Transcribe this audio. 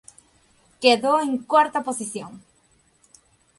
Quedó en cuarta posición.